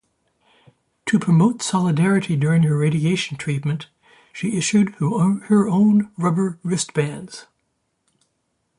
To promote solidarity during her radiation treatment, she issued her own rubber wristbands.